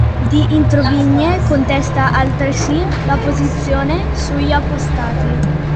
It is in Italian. Di Introvigne contesta altresì la posizione sugli apostati.